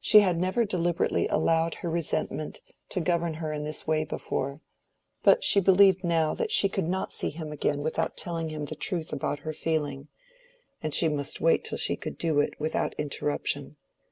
She had never deliberately allowed her resentment to govern her in this way before, but she believed now that she could not see him again without telling him the truth about her feeling, and she must wait till she could do it without interruption.